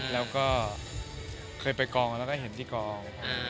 แล้วก็เคยไปกองแล้วก็เห็นที่กอง